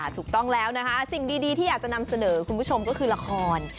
ถูกต้องแล้วนะคะสิ่งดีที่อยากจะนำเสนอคุณผู้ชมก็คือละคร